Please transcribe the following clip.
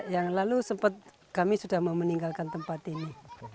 yang lalu sempat kami sudah mau meninggalkan tempat ini